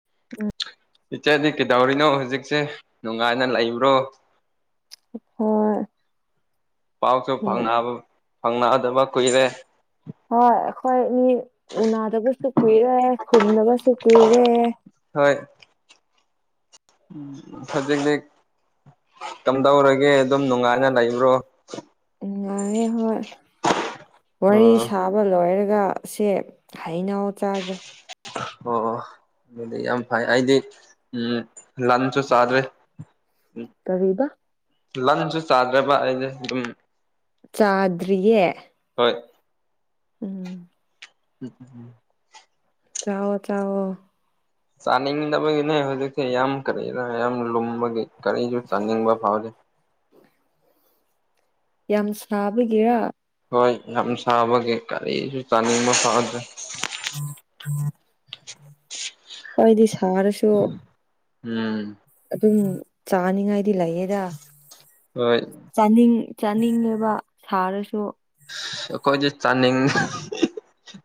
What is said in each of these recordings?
[inaudible] ꯏꯆꯥꯟꯗꯤ ꯀꯩꯗꯧꯔꯤꯅꯣ ꯍꯧꯖꯤꯛꯁꯦ ꯅꯨꯡꯉꯥꯏꯅ ꯂꯩꯕ꯭ꯔꯣ ꯍꯣꯏ ꯄꯥꯎꯁꯨ ꯎꯝ ꯐꯥꯎꯅꯗꯕ ꯀꯨꯏꯔꯦ ꯍꯣꯢ ꯑꯩꯈꯣꯏ ꯑꯅꯤ ꯎꯅꯥꯗꯕꯁꯨ ꯀꯨꯏꯔꯦ ꯕꯨꯟꯗꯕꯁꯨ ꯀꯨꯏꯔꯦ ꯍꯣꯏ ꯎꯝ ꯍꯧꯖꯤꯛꯖꯤꯛ ꯀꯝꯗꯧꯔꯒꯦ ꯑꯗꯨꯝ ꯅꯨꯡꯉꯥꯏꯅ ꯂꯩꯕ꯭ꯔꯣ ꯅꯨꯡꯉꯥꯢꯌꯦ ꯍꯣꯏ ꯋꯥꯔꯤ ꯑꯣ ꯁꯥꯕ ꯑꯃ ꯂꯣꯏꯔꯒ ꯁꯤ ꯍꯩꯅꯧ ꯆꯥꯒꯦ ꯑꯣ ꯑꯗꯨꯗꯤ ꯌꯥꯝ ꯐꯩ ꯑꯩꯗꯤ ꯎꯝ ꯂꯟꯁꯨ ꯆꯥꯗ꯭ꯔꯦ [unintelligible] ꯀꯔꯤꯕ ꯂꯟꯁꯨ ꯆꯥꯗ꯭ꯔꯕ ꯑꯩꯗ ꯑꯗꯨꯝ ꯆꯥꯗ꯭ꯌꯤꯌꯦ ꯍꯣꯏ [unintelligible] ꯆꯑꯣ ꯆꯋꯣ ꯆꯥꯅꯤꯡꯗꯕꯒꯤꯅꯦ ꯍꯧꯖꯤꯛꯁꯦ ꯌꯥꯝ ꯀꯔꯤꯔ ꯌꯥꯝ ꯂꯨꯝꯕꯒꯤ ꯀꯔꯤꯁꯨ ꯆꯥꯅꯤꯡꯕ ꯐꯥꯎꯗꯦ ꯌꯥꯝ ꯁꯥꯕꯒꯤꯔꯥ ꯍꯣꯏ ꯌꯥꯝ ꯁꯥꯕꯒꯦ ꯀꯔꯤꯁꯨ ꯆꯥꯅꯤꯡꯕ ꯐꯥꯎꯗ꯭ꯔꯦ [unintelligible] [unintelligible] ꯎꯝ ꯑꯗꯨꯝ ꯆꯥꯅꯤꯡꯉꯥꯏꯗꯤ ꯂꯩꯌꯦꯗ ꯍꯣꯏ ꯆꯥꯅꯤꯡ ꯆꯥꯅꯤꯡꯉꯦꯕ ꯁꯥꯔꯁꯨ ꯑꯩꯈꯣꯏꯗꯤ ꯆꯥꯅꯤꯡ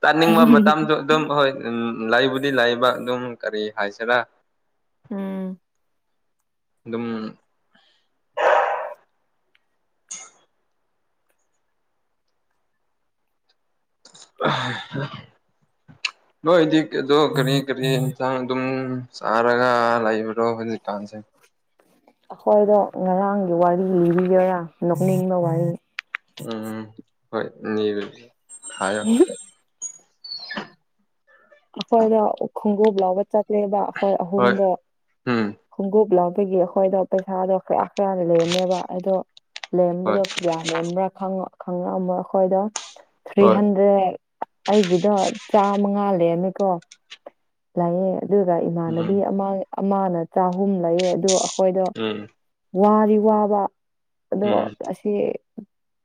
ꯆꯥꯅꯤꯡꯕ ꯃꯇꯝꯁꯨ ꯑꯗꯨꯝ ꯍꯣꯏ ꯎꯝ ꯂꯩꯕꯨꯗꯤ ꯂꯩꯕ ꯑꯗꯨꯝ ꯀꯔꯤ ꯍꯥꯏꯁꯤꯔꯥ ꯎꯝ ꯑꯗꯨꯝ ꯅꯣꯏꯗꯤ ꯀꯗꯣ ꯀꯔꯤ ꯀꯔꯤ ꯍꯛꯆꯥꯡ ꯑꯗꯨꯝ ꯆꯥꯔꯒ ꯂꯩꯕ꯭ꯔꯣ ꯍꯧꯖꯤꯛꯀꯥꯟꯁꯦ ꯑꯩꯈꯣꯏꯗꯣ ꯉꯔꯥꯡꯒꯤ ꯋꯥꯔꯤ ꯂꯤꯒꯔꯥ ꯅꯣꯛꯅꯤꯡꯕ ꯋꯥꯔꯤ ꯎꯝ ꯍꯣꯏ ꯂꯤꯔꯣ ꯍꯥꯏꯣ ꯑꯩꯈꯣꯏꯗꯣ ꯈꯣꯡꯎꯞ ꯂꯩꯕ ꯆꯠꯂꯦꯕ ꯑꯩꯈꯣꯏ ꯍꯣꯏ ꯑꯍꯨꯝꯗꯣ ꯎꯝ ꯈꯣꯡꯎꯞ ꯂꯩꯕꯒꯤ ꯑꯩꯈꯣꯏꯗꯣ ꯄꯩꯁꯥꯗꯣ ꯈꯔ ꯈꯔ ꯂꯩꯝꯃꯦꯕ ꯑꯗꯣ ꯍꯣꯏ ꯂꯦꯝꯕꯗꯣ ꯀꯤꯌꯥ ꯂꯦꯝꯕ꯭ꯔꯥ ꯈꯔ ꯈꯥꯏꯔꯑꯝꯃꯣ ꯑꯩꯈꯣꯏꯗꯣ ꯊ꯭ꯔꯤ ꯍꯣꯏ ꯍꯟꯗ꯭ꯔꯦꯠ ꯑꯩꯒꯤꯗꯣ ꯆꯥꯃꯉꯥ ꯂꯩꯔꯃꯦꯀꯣ ꯂꯥꯏꯌꯦ ꯑꯗꯨꯒ ꯎꯝ ꯏꯃꯥꯟꯅꯕꯤ ꯑꯃ ꯑꯃꯅ ꯆꯍꯨꯝ ꯂꯩꯌꯦ ꯑꯗꯨ ꯑꯩꯈꯣꯏꯗ ꯎꯝ ꯋꯥꯗ ꯋꯥꯕ ꯑꯗꯣ ꯎꯝ ꯑꯁ ꯁꯤ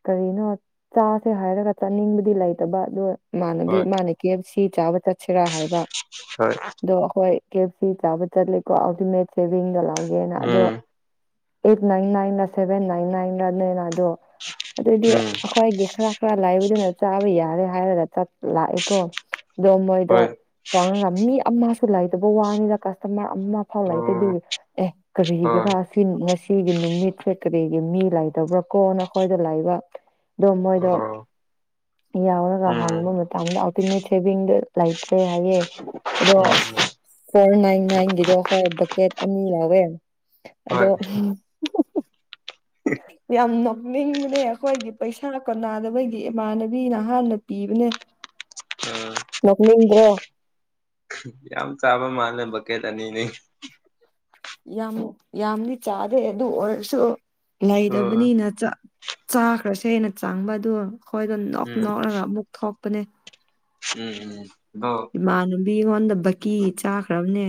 ꯀꯔꯤꯅꯣ ꯆꯥꯁꯦ ꯍꯥꯏꯔꯒ ꯆꯥꯅꯤꯡꯕꯗꯤ ꯂꯩꯇꯕ ꯑꯗꯣ ꯏꯃꯥꯅꯕꯤ ꯍꯣꯏ ꯑꯃꯥꯅ ꯀꯦ ꯑꯦꯞ ꯁꯤ ꯆꯥꯕ ꯆꯠꯁꯤꯔꯥ ꯍꯥꯏꯕ ꯍꯣꯏ ꯑꯗꯣ ꯑꯩꯈꯣꯏ ꯀꯦ ꯑꯦꯞ ꯁꯤ ꯆꯥꯕ ꯆꯠꯂꯦꯀꯣ ꯑꯇꯨꯃꯦꯠ ꯁꯦꯚꯤꯡꯒ ꯂꯧꯒꯦꯅ ꯑꯗꯣ ꯎꯝ eight nine nine seven nine ꯅꯥꯏꯟꯅꯦꯅꯗꯣ ꯑꯗꯨꯗꯤ ꯎꯝ ꯑꯩꯈꯣꯏꯒꯤ ꯈꯔ ꯈꯔ ꯂꯥꯏꯕꯗꯨꯅ ꯆꯥꯕ ꯌꯥꯔꯦ ꯍꯥꯏꯔꯒ ꯆꯠ ꯂꯥꯛꯑꯦꯀꯣ ꯑꯗꯣ ꯃꯣꯏꯗꯣ ꯍꯣꯏ ꯆꯪꯉꯝ ꯃꯤ ꯑꯃꯁꯨ ꯂꯩꯇꯕ ꯋꯥꯅꯤꯗ ꯀꯁꯇꯃꯔ ꯑꯃ [unintelligible] ꯑꯣ ꯑꯗꯨꯒꯤ ꯑꯦ ꯀꯔꯤꯒꯤꯔꯥ ꯍꯣꯏ ꯉꯁꯤꯒꯤ ꯅꯨꯃꯤꯠꯁꯦ ꯀꯔꯤꯒꯤ ꯃꯤ ꯂꯩꯥꯇꯕ꯭ꯔꯥ ꯀꯣꯅ ꯑꯩꯈꯣꯏꯁꯦ ꯂꯩꯕ ꯑꯣ ꯃꯣꯏꯗꯣ ꯌꯥꯎꯔꯒ ꯎꯝ ꯎꯝ ꯍꯪꯕ ꯃꯇꯝꯗ ꯑꯜꯇꯤꯃꯦꯠ [unintelligible] ꯂꯩꯇ꯭ꯔꯦ ꯍꯥꯏꯌꯦ ꯑꯗꯣ ꯐꯣꯔ ꯅꯥꯏꯟ ꯅꯥꯏꯟꯒꯤꯗꯣ ꯍꯣꯏ ꯕꯀꯦꯠ ꯑꯅꯤ ꯌꯥꯎꯋꯦ ꯍꯣꯏ ꯑꯗꯣ ꯌꯥꯝ ꯅꯣꯛꯅꯤꯡꯕꯅꯦ ꯑꯩꯈꯣꯏꯒꯤ ꯄꯩꯁꯥ ꯀꯣꯟꯅꯗꯕꯒꯤ ꯏꯃꯥꯟꯅꯕꯤꯅ ꯍꯥꯟꯅ ꯄꯤꯕꯅꯦ ꯎꯝ ꯅꯣꯛꯅꯤꯡꯕꯔꯣ ꯌꯥꯝ ꯆꯥꯕ ꯃꯥꯜꯂꯦ ꯕꯛꯀꯦꯠ ꯑꯅꯤꯅꯤ ꯌꯥꯝ ꯌꯥꯝꯗꯤ ꯆꯥꯗꯦ ꯑꯗꯨ ꯑꯣꯏꯔꯁꯨ ꯑꯣ ꯂꯩꯗꯕꯅꯤꯅ ꯆꯥ ꯆꯥꯈ꯭ꯔꯁꯦꯅ ꯆꯪꯕꯗꯣ ꯑꯩꯈꯣꯏꯗꯣ ꯅꯣꯛ ꯎꯝ ꯅꯣꯛꯂꯒ ꯑꯃꯨꯛ ꯊꯣꯛꯄꯅꯦ ꯎꯝ ꯎꯝ ꯑꯗꯣ ꯏꯃꯥꯟꯅꯕꯤ ꯉꯣꯟꯗ ꯕꯛꯀꯤ ꯆꯥꯈ꯭ꯔꯕꯅꯦ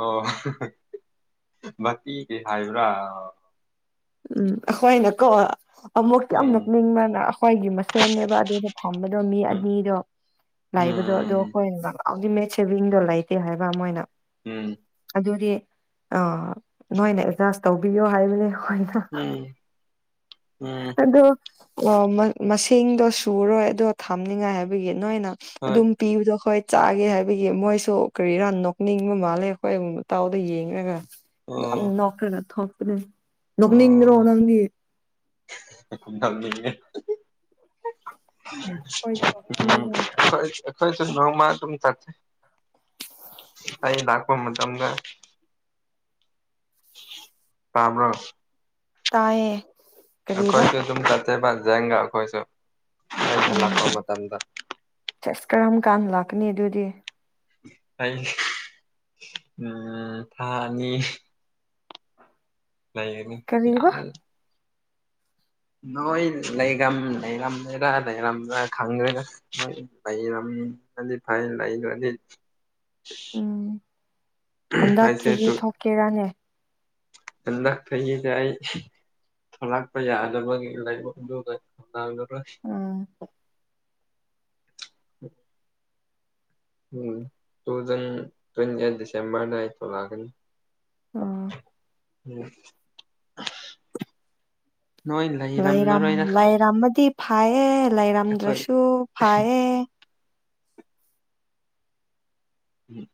ꯑꯣ ꯚꯀꯤꯒꯤ ꯍꯥꯏꯕ꯭ꯔꯥ ꯑꯣ ꯎꯝ ꯑꯩꯈꯣꯏꯅꯀꯣ ꯑꯃꯨꯛ ꯌꯥꯝ ꯎꯝ ꯅꯛꯅꯤꯡꯉꯒ ꯑꯩꯈꯣꯏꯒꯤ ꯃꯁꯦꯜꯅꯦꯕ ꯑꯗꯨ ꯊꯝꯕꯗꯣ ꯃꯤ ꯎꯝ ꯑꯅꯤꯗꯣ ꯂꯩꯕꯗꯣ ꯑꯗꯣ ꯎꯝ ꯑꯩꯈꯣꯏ ꯑꯧꯇꯣ ꯃꯦꯠ ꯁꯦꯕꯤꯡꯗꯣ ꯂꯩꯇꯦ ꯍꯥꯏꯕ ꯑꯃꯣꯏꯅ ꯎꯝ ꯑꯗꯨꯗꯤ ꯑꯥ ꯅꯣꯏꯅ ꯑꯦꯗꯖꯥꯁ ꯇꯧꯕꯤꯌꯣ ꯍꯥꯏꯕꯅꯦ ꯑꯩꯈꯣꯏ ꯎꯝ ꯎꯝ ꯑꯗꯣ ꯃꯁꯤꯡꯗꯣ ꯁꯨꯔꯣꯏ ꯑꯗꯣ ꯊꯥꯝꯅꯤꯡꯉꯥꯏ ꯍꯥꯏꯕꯒꯤ ꯅꯣꯏꯅ ꯍꯣꯏ ꯑꯗꯨꯝ ꯄꯤꯕꯗꯣ ꯑꯩꯈꯣꯏ ꯆꯥꯒꯦ ꯍꯥꯏꯕꯒꯤ ꯃꯣꯏꯁꯨ ꯀꯔꯤꯔꯥ ꯅꯣꯛꯅꯤꯡꯕ ꯃꯥꯜꯂꯦ ꯑꯩꯈꯣꯏ ꯃꯇꯧꯗꯣ ꯌꯦꯡꯔꯒ ꯌꯥꯝ ꯑꯣ ꯅꯣꯛꯔꯒ ꯊꯣꯛꯄꯅꯦ ꯑꯣ ꯅꯣꯛꯅꯤꯡꯗ꯭ꯔꯣ ꯅꯪꯗꯤ [unintelligible] ꯍꯣꯏ ꯎꯝ ꯅꯣꯛꯅꯤꯡꯉꯦꯗꯥ ꯑꯩꯈꯣꯏ ꯑꯩꯈꯣꯏꯁꯨ ꯅꯣꯡꯃ ꯑꯗꯨꯝ ꯆꯠꯁꯦ ꯑꯩ ꯂꯥꯛꯄ ꯃꯇꯝꯗ ꯇꯕ꯭ꯔꯣ ꯇꯥꯏꯌꯦ ꯀꯔꯤꯕ ꯑꯩꯈꯣꯏꯁꯨ ꯑꯗꯨꯝ ꯆꯠꯁꯦꯕ ꯖꯦꯡꯒ ꯑꯩꯈꯣꯏꯁꯨ ꯑꯩ ꯍꯜꯂꯛꯄ ꯃꯇꯝꯗ ꯆꯁ ꯀꯔꯝ ꯀꯥꯟꯅ ꯂꯥꯛꯀꯅꯤ ꯑꯗꯨꯗꯤ ꯑꯩ ꯎꯝ ꯊꯥ ꯑꯅꯤ ꯂꯩꯒꯅꯤ ꯀꯔꯤꯕ ꯌꯥꯝ ꯅꯣꯏ ꯂꯩꯔꯝ ꯂꯩꯔꯝꯃꯦꯔꯥ ꯂꯩꯔꯝꯔꯥ ꯈꯪꯗ꯭ꯔꯦꯅꯦ ꯅꯣꯏ ꯂꯩꯔꯝꯑꯗꯤ ꯐꯩ ꯂꯩꯗꯔꯗꯤ ꯎꯝ ꯍꯟꯗꯛ ꯑꯩꯁꯦ ꯆꯍꯤ ꯇꯨ ꯊꯣꯛꯀꯦꯔꯥꯅꯦ ꯍꯟꯗꯛ ꯆꯍꯤꯗ ꯑꯩ ꯊꯣꯛꯂꯛꯄ ꯌꯥꯗꯕꯒꯤ ꯂꯥꯏꯕꯛ ꯑꯗꯨꯒ ꯊꯣꯛꯔꯛꯔꯂꯣꯏ ꯎꯝ ꯎꯝ ꯇꯨꯖꯟ ꯇ꯭ꯋꯦꯟꯇꯤ ꯑꯩꯠ ꯗꯤꯁꯦꯝꯕꯔꯗ ꯑꯩ ꯊꯣꯛꯂꯛꯀꯅꯤ ꯎꯝ ꯎꯝ [unintelligible] ꯅꯣꯏ ꯂꯩꯔꯝ ꯂꯩꯔꯝꯂꯔꯣꯏꯗ ꯂꯩꯔꯝꯃꯗꯤ ꯐꯩꯌꯦ ꯑꯩꯈꯣꯏ ꯂꯩꯔꯝꯗꯔꯁꯨ ꯐꯩꯌꯦ ꯎꯝ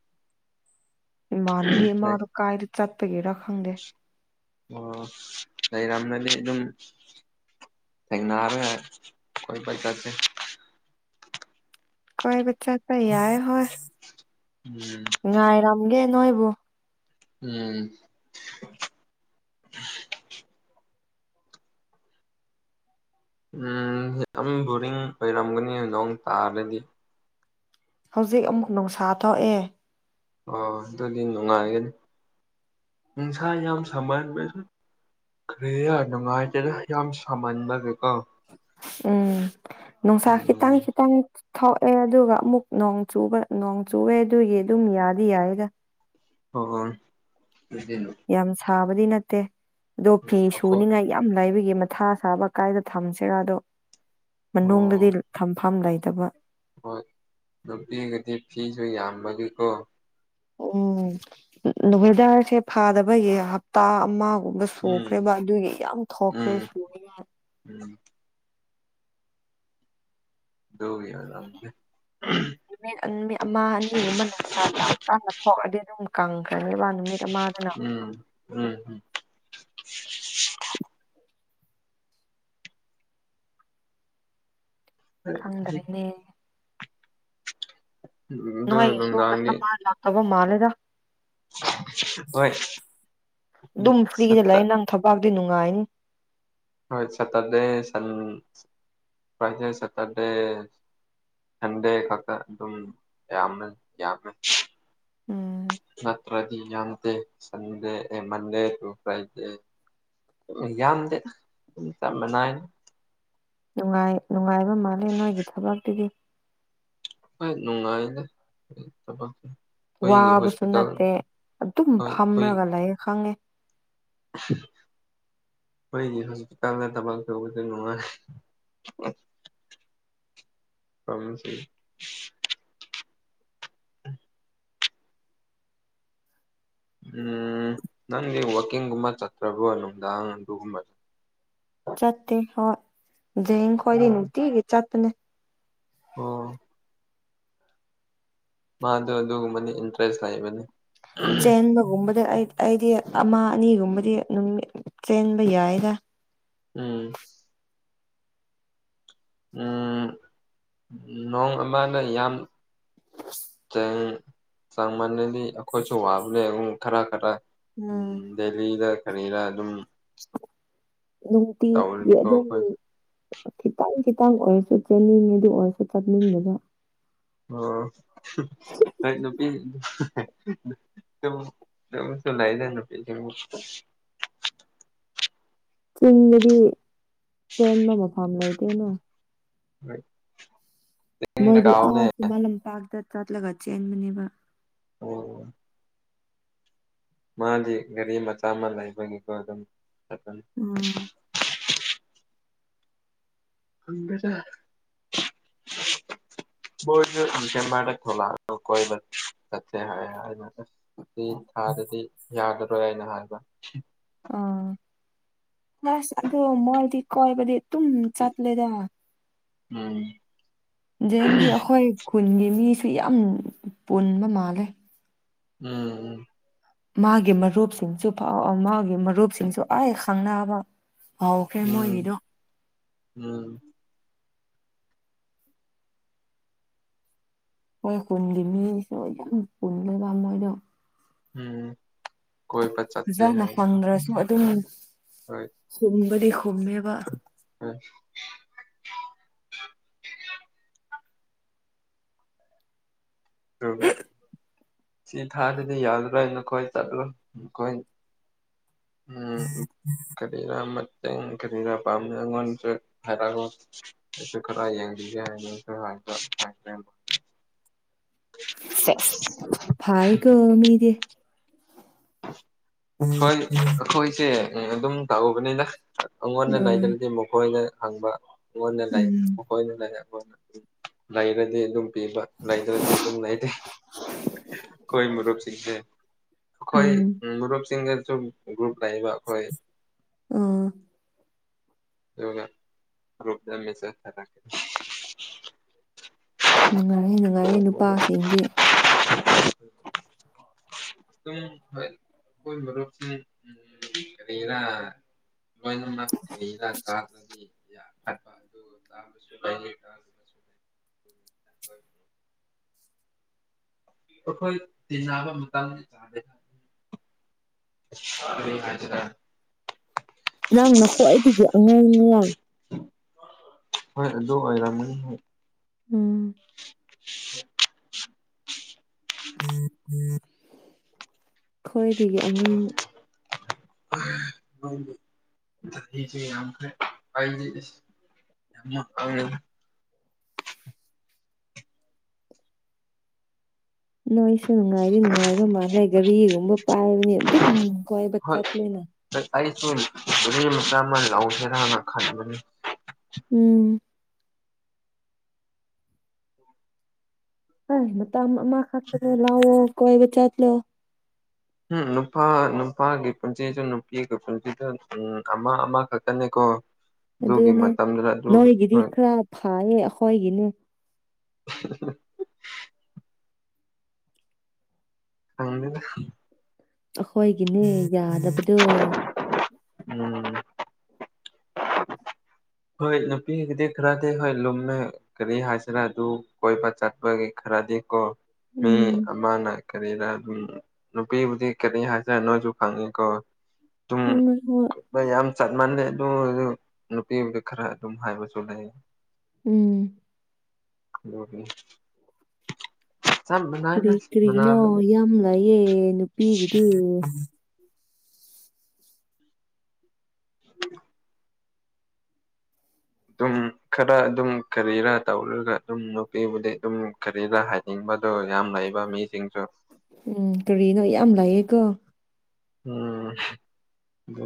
ꯏꯃꯥꯟꯅꯕꯤ ꯑꯃꯥꯗꯣ ꯀꯥꯏꯗ ꯆꯠꯄꯒꯤꯔ ꯈꯪꯗꯦ ꯑꯣ ꯑꯩꯔꯝꯒꯅꯤ ꯑꯗꯨꯝ ꯊꯦꯡꯅꯔꯦ ꯀꯣꯏꯕ ꯆꯠꯁꯦ ꯀꯣꯏꯕ ꯆꯠꯄ ꯌꯥꯏ ꯍꯣꯏ ꯎꯝ ꯉꯥꯏꯔꯝꯒꯦ ꯅꯣꯏꯕꯨ ꯎꯝ ꯎꯝ ꯌꯥꯝ ꯕꯣꯔꯤꯡ ꯑꯣꯏꯔꯝꯒꯅꯤ ꯅꯣꯡ ꯇꯥꯔꯗꯤ ꯍꯧꯖꯤꯛ ꯑꯃꯨꯛ ꯅꯨꯡꯁꯥ ꯊꯣꯛꯑꯦ ꯑ ꯑꯗꯨꯗꯤ ꯅꯨꯡꯉꯥꯏꯒꯅꯤ ꯅꯨꯡꯁꯥ ꯌꯥꯝ ꯁꯥꯃꯟꯕꯁꯨ ꯀꯔꯤꯔꯥ ꯅꯨꯡꯉꯥꯏꯖꯔꯦ ꯌꯥꯝ ꯁꯥꯃꯟꯕꯒꯤꯀꯣ ꯎꯝ ꯅꯨꯡꯁꯥ ꯎꯝ ꯈꯤꯇꯪ ꯈꯤꯇꯪ ꯊꯣꯛꯑꯦ ꯑꯗꯨꯒ ꯑꯃꯨꯛ ꯅꯣꯡ ꯆꯨꯕ ꯅꯣꯡ ꯆꯨꯑꯦ ꯑꯗꯨꯒꯤ ꯑꯗꯨꯝ ꯌꯥꯗꯤ ꯌꯥꯏꯌꯦꯗ ꯍꯣꯏ [unintelligible] ꯌꯥꯝ ꯁꯥꯕꯗꯤ ꯅꯠꯇꯦ ꯑꯗꯣ ꯐꯤ ꯑꯩꯈꯣꯏ ꯁꯨꯅꯤꯉꯥꯏ ꯌꯥꯝ ꯂꯩꯕꯒꯤ ꯃꯊꯥ ꯁꯥꯕ ꯀꯥꯏꯗ ꯊꯝꯁꯤꯔꯥꯗꯣ ꯑꯣ ꯃꯅꯨꯡꯗꯗꯤ ꯊꯝꯐꯝ ꯂꯩꯇꯕ ꯍꯣꯏ ꯅꯨꯄꯤꯒꯤꯗꯤ ꯐꯤꯁꯨ ꯌꯥꯝꯕꯒꯤꯀꯣ ꯎꯝ ꯋꯦꯗꯔꯁꯦ ꯐꯥꯗꯕꯒꯤ ꯍꯞꯇꯥ ꯑꯃꯒꯨꯝꯕ ꯎꯝ ꯁꯣꯛꯈ꯭ꯔꯦꯕ ꯑꯗꯨꯒꯤ ꯌꯥꯝ ꯊꯣꯛꯈ꯭ꯔꯦ ꯎꯝ [unintelligible] ꯎꯝ ꯗꯨꯒꯤ ꯌꯥꯔꯝꯗꯦ ꯅꯨꯃꯤꯠ ꯑꯟꯕꯤ ꯑꯃ ꯑꯅꯤꯒꯨꯝꯕ ꯅꯨꯡꯁꯥ ꯌꯥꯝ ꯀꯥ ꯍꯦꯟꯅ ꯊꯣꯛꯑꯗꯤ ꯑꯗꯨꯝ ꯀꯪꯈ꯭ꯔꯅꯦꯕ ꯅꯨꯃꯤꯠ ꯑꯃꯗꯨꯅ ꯎꯝ ꯎꯝ ꯑꯗꯨ ꯈꯪꯗꯔꯦꯅꯦ ꯅꯣꯏꯒꯤꯁꯨ ꯅꯨꯡꯗꯥꯡꯗꯤ ꯀꯁꯇꯃꯔ ꯂꯥꯛꯇꯕ ꯃꯥꯜꯂꯦꯗꯥ ꯍꯣꯏ ꯑꯗꯨꯝ ꯐ꯭ꯔꯤꯗ ꯁꯠꯇ ꯂꯩ ꯅꯪ ꯊꯕꯛꯇꯤ ꯅꯨꯡꯉꯥꯏꯅꯤ ꯍꯣꯏ ꯁꯇ꯭ꯔꯗꯦ ꯁꯟ ꯐ꯭ꯔꯥꯏꯗꯦ ꯁꯇ꯭ꯔꯗꯦ ꯁꯟꯗꯦ ꯈꯛꯇ ꯑꯗꯨꯝ ꯌꯥꯝꯃꯦ ꯌꯥꯝꯃꯦ ꯎꯝ ꯅꯠꯇ꯭ꯔꯗꯤ ꯌꯥꯝꯗꯦ ꯁꯟꯗꯦ ꯑꯦ ꯃꯟꯗꯦ ꯇꯨ ꯐ꯭ꯔꯥꯏꯗꯦ ꯌꯥꯝꯗꯦ ꯑꯗꯨꯝ ꯆꯞ ꯃꯥꯟꯅꯩꯗ ꯅꯨꯡꯉꯥꯏ ꯅꯨꯡꯉꯥꯏꯕ ꯃꯥꯜꯂꯦ ꯅꯣꯏꯒꯤ ꯊꯕꯛꯇꯨꯗꯤ ꯍꯣꯏ ꯅꯨꯡꯉꯥꯏꯗ ꯊꯕꯛ ꯑꯩꯈꯣꯏꯒꯤ ꯋꯥꯕꯁꯨ ꯍꯣꯁꯄꯤꯇꯥꯜ ꯅꯠꯇꯦ ꯑꯗꯨꯝ ꯍꯣꯏ ꯐꯝꯔꯒ ꯂꯩ ꯈꯪꯉꯦ ꯎ [inaudible] ꯈꯣꯏꯗꯤ ꯍꯧꯖꯤꯛ ꯇꯞꯅ ꯊꯕꯛ ꯇꯧꯕꯖꯨ ꯅꯨꯡꯉꯥꯏ ꯄ꯭ꯔꯣꯕ꯭ꯂꯦꯝꯁꯤ ꯎꯝ ꯅꯪꯗꯤ ꯋꯥꯛꯀꯤꯡꯒꯨꯝꯕ ꯆꯠꯇ꯭ꯔꯕꯣ ꯅꯨꯡꯗꯥꯡ ꯑꯗꯨꯒꯨꯝꯕ ꯆꯠꯇꯦ ꯍꯣꯏ ꯖꯦꯡ ꯈꯣꯏꯗꯤ ꯑꯣ ꯅꯨꯡꯇꯤꯒꯤ ꯆꯠꯄꯅꯦ ꯑꯣ ꯃꯥꯗꯣ ꯑꯗꯨꯒꯨꯝꯕꯅꯤ ꯏꯟꯇꯔꯦꯁ ꯂꯩꯕꯅꯤ ꯆꯦꯟꯕꯒꯨꯝꯕꯗ ꯑꯩ ꯑꯩꯗꯤ ꯑꯃ ꯑꯅꯤꯒꯨꯝꯕꯗꯤ ꯑꯗꯨꯝ ꯆꯦꯟꯕ ꯌꯥꯏꯗ ꯎꯝ ꯎꯝ ꯅꯣꯡ ꯑꯃꯅ ꯌꯥꯝ ꯆꯦꯡ ꯆꯥꯃꯜꯅꯗꯤ ꯑꯩꯈꯣꯏꯁꯨ ꯋꯥꯕꯅꯦ ꯑꯃꯨꯛ ꯈꯔ ꯈꯔ ꯎꯝ ꯗꯦꯜꯂꯤꯗ ꯀꯔꯤꯔ ꯑꯗꯨꯝ ꯅꯨꯡꯇꯤꯒꯤ ꯇꯧꯔꯗꯤꯀꯣ ꯑꯗꯨꯝ ꯑꯩꯈꯣꯏ ꯈꯤꯇꯪ ꯈꯤꯇꯪ ꯑꯣꯏꯔꯁꯨ ꯆꯦꯟꯅꯤꯡꯉꯤꯗꯨ ꯑꯣꯏꯔꯁꯨ ꯆꯠꯅꯤꯡꯗꯦꯗꯥ ꯑꯣ ꯍꯣꯏ ꯅꯨꯄꯤ ꯑꯗꯨꯝ ꯑꯗꯨꯝꯁꯨ ꯂꯩꯗ ꯅꯨꯄꯤꯖꯤꯡꯗꯤ ꯆꯤꯡꯗꯗꯤ ꯆꯦꯟꯕ ꯃꯐꯝ ꯂꯩꯇꯦꯅꯦ ꯍꯣꯏ ꯃꯣꯏꯗꯤ ꯑꯥ ꯈꯨꯃꯟ ꯂꯝꯄꯥꯛꯇ ꯆꯠꯂꯒ ꯆꯦꯟꯕꯅꯦꯕꯥ ꯑꯣ ꯃꯥꯗꯤ ꯒꯥꯔꯤ ꯃꯆꯥ ꯑꯃ ꯂꯩꯕꯒꯤꯀꯣ ꯑꯗꯨꯝ ꯎꯝ ꯍꯪꯗꯦꯗ [inaudible] [inaudible] ꯣ ꯏ ꯊꯂ ꯀ ꯍꯥꯏ [unintelligible] ꯁꯤ ꯊꯥꯗꯗꯤ ꯌꯥꯒꯔꯣꯏ ꯍꯥꯏꯅ ꯍꯥꯏꯕ ꯑꯥ ꯑꯁ ꯑꯣ ꯃꯣꯏꯗꯤ ꯀꯣꯏꯕꯗꯤ ꯑꯗꯨꯝ ꯆꯠꯂꯦꯗ ꯎꯝ ꯖꯦꯡꯗꯤ ꯑꯩꯈꯣꯏ ꯈꯨꯟꯒꯤ ꯃꯤꯁꯨ ꯌꯥꯝ ꯄꯨꯟꯕ ꯃꯥꯜꯂꯦ ꯎꯝ ꯃꯥꯒꯤ ꯃꯔꯨꯞꯁꯤꯡꯁꯨ ꯐꯥꯎ ꯃꯥꯒꯤ ꯃꯔꯨꯞꯁꯤꯡꯁꯨ ꯑꯩ ꯈꯪꯅꯕ ꯍꯥꯎꯈ꯭ꯔꯦ ꯎꯝ ꯃꯣꯏꯒꯤꯗꯣ ꯎꯝ ꯍꯣꯏ ꯍꯨꯝꯒꯤ ꯃꯤꯁꯨ ꯌꯥꯝ ꯄꯨꯝꯃꯦꯕ ꯃꯣꯏꯗꯣ ꯎꯝ ꯀꯣꯏꯕꯠ ꯐꯖꯅ ꯐꯪꯗ꯭ꯔꯁꯨ ꯑꯗꯨꯝ ꯍꯣꯏ ꯁꯨꯝꯕꯗꯤ ꯈꯨꯝꯃꯦꯕ ꯎꯝ [unintelligible] [unintelligible] ꯑꯗꯨꯒ ꯁꯤ ꯊꯥꯗꯗꯤ ꯌꯥꯗꯔꯦ ꯅꯈꯣꯏ ꯆꯠꯂꯣ ꯅꯈꯣꯏ ꯎꯝ ꯀꯔꯤꯔꯥ ꯃꯇꯦꯡ ꯀꯔꯤꯔꯥ ꯄꯥꯝꯃꯦ ꯑꯩꯉꯣꯟꯁꯨ ꯍꯥꯏꯔꯛ ꯑꯩꯁꯨ ꯈꯔ ꯌꯦꯡꯁꯤꯒꯦ ꯍꯥꯏꯅ [unintelligible] ꯍꯥꯏꯒ ꯃꯤꯗꯤ ꯍꯣꯏ ꯑꯩꯈꯣꯏꯁꯦ ꯑꯗꯨꯝ ꯇꯥꯛꯎꯕꯅꯤꯗ ꯑꯩꯉꯣꯟꯗ ꯎꯝ ꯂꯩꯗ꯭ꯔꯗꯤ ꯃꯈꯣꯏꯗ ꯍꯪꯕ ꯅ ꯂꯩ ꯎꯝ ꯑꯩꯣꯏꯅ ꯂꯩ ꯑꯩ ꯂꯩꯔꯗꯤ ꯑꯗꯨꯝ [unintelligible] ꯄꯤꯕ ꯂꯩꯗ꯭ꯔꯗꯤ ꯑꯗꯨꯝ ꯂꯩꯔꯦ ꯑꯩꯈꯣꯏ ꯃꯔꯨꯞꯁꯤꯡꯁꯦ [unintelligible] ꯑꯩꯈꯣꯏ ꯎꯝ ꯃꯔꯔꯨꯞꯁꯤꯡꯒꯁꯨ ꯒ꯭ꯔꯨꯞ ꯂꯩꯕ ꯑꯩꯈꯣꯏ ꯑꯥ ꯔꯣ ꯗꯁ ꯑ ꯇꯀꯦ [unintelligible] ꯅꯨꯡꯉꯥꯏꯌꯦ ꯅꯨꯡꯉꯥꯏꯌꯦ ꯅꯨꯄꯥꯁꯤꯡꯗꯤ ꯑꯗꯨ ꯍꯣꯏ ꯑꯩꯈꯣꯏ ꯃꯔꯨꯞꯁꯤꯡ [unintelligible] [unintelligible] ꯂꯣꯏꯅꯃꯛ [unintelligible] [unintelligible] [inaudible] [inaudible] ꯑꯩꯈꯣꯏ ꯇꯤꯟꯅꯕ ꯃꯇꯝ [unintelligible] [unintelligible] [unintelligible] [unintelligible] ꯅꯪ ꯅ ꯈ꯭ꯌꯥꯏꯗꯒꯤ ꯑꯉꯥꯡꯂꯥ ꯍꯣꯏ ꯑꯗꯨ ꯑꯣꯏꯔꯝꯅꯤ ꯍꯣꯏ ꯎꯝ [unintelligible] [unintelligible] ꯈꯣꯏꯗꯒꯤ ꯑꯉꯥꯡ [unintelligible] [unintelligible] ꯆꯍꯤꯁꯨ ꯌꯥꯝꯈ꯭ꯔꯦ [unintelligible] [unintelligible] ꯅꯣꯏꯁꯨ ꯅꯨꯡꯉꯥꯏꯗꯝ ꯅꯨꯡꯉꯥꯏꯕ ꯃꯥꯜꯂꯦ ꯒꯥꯔꯤꯒꯨꯝꯕ ꯄꯥꯏꯕꯅꯤ ꯑꯗꯨꯝ ꯀꯣꯏꯕ ꯍꯣꯏ ꯆꯠꯂꯦꯅ ꯑꯩꯁꯨ ꯒꯔꯤ ꯃꯆꯥ ꯑꯃ ꯂꯧꯁꯦꯔꯅ ꯈꯟꯕꯅꯤ ꯎꯝ ꯍꯩ ꯃꯇꯝ ꯑꯃꯈꯛꯇꯗ ꯂꯧꯑꯣ ꯀꯣꯏꯕ ꯆꯠꯂꯣ꯫ ꯎꯝ ꯅꯨꯄꯥ ꯅꯨꯄꯥꯒꯤ ꯄꯨꯟꯁꯤꯁꯨ ꯅꯨꯄꯤꯒꯤ ꯄꯨꯟꯁꯤꯁꯨ ꯎꯝ ꯑꯃ ꯑꯃ ꯈꯛꯇꯅꯤꯀꯣ꯫ ꯑꯗꯨꯅꯦ ꯅꯣꯏꯒꯤꯗꯤ ꯍꯣꯏ ꯈꯔ ꯐꯥꯏꯌꯦ ꯑꯈꯣꯏꯒꯤꯅꯦ [unintelligible] ꯈꯪꯗꯦꯗ ꯑꯈꯣꯏꯒꯤꯅꯦ ꯌꯥꯗꯕꯗꯣ ꯎꯝ ꯍꯣꯏ ꯅꯨꯄꯤꯒꯤꯗꯤ ꯈꯔꯗꯤ ꯍꯣꯏ ꯂꯨꯝꯃꯦ ꯀꯔꯤ ꯍꯥꯏꯁꯤꯔ ꯑꯗꯨ ꯀꯣꯏꯕ ꯆꯠꯄꯒꯤ ꯈꯔꯗꯤ ꯀꯣ ꯃꯤ ꯎꯝ ꯑꯃꯅ ꯀꯔꯤꯗ ꯑꯗꯨꯝ ꯅꯨꯄꯤꯕꯨꯗꯤ ꯀꯔꯤ ꯍꯥꯏꯁꯤꯔ ꯅꯣꯏꯁꯨ ꯈꯪꯉꯤꯀꯣ ꯑꯗꯨꯝ ꯅ [unintelligible] [unintelligible] ꯌꯥꯝ ꯆꯠ ꯃꯥꯟꯂꯦ ꯑꯗꯨ ꯑꯣꯏꯁꯨ [unintelligible] ꯈꯔ ꯑꯗꯨꯝ ꯍꯥꯏꯕꯁꯨ ꯂꯩ ꯎꯝ ꯑꯣꯝ [unintelligible] ꯀꯔꯤ ꯀꯔꯤꯒꯤꯅꯣ ꯃꯅꯥꯕꯅꯤ ꯌꯥꯝ ꯂꯩꯌꯦ ꯅꯨꯄꯤꯒꯤꯗꯤ [unintelligible] [unintelligible] ꯑꯗꯨꯝ ꯈꯔ ꯑꯗꯨꯝ ꯀꯔꯤꯔꯥ ꯇꯧꯔꯒ ꯑꯗꯨꯝ ꯅꯨꯄꯤꯕꯨꯗꯤ ꯑꯗꯨꯝ ꯀꯔꯤꯔꯥ ꯍꯥꯏ ꯍꯤꯡꯕꯗ ꯌꯥꯝ ꯂꯩꯕ ꯃꯤꯁꯤꯡꯁꯨ ꯎꯝ ꯀꯔꯤꯅꯣ ꯌꯥꯝ ꯂꯩꯑꯦꯀꯣ꯫ ꯎꯝ ꯑꯗꯨ